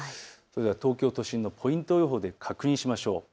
東京都心のポイント予報で確認しましょう。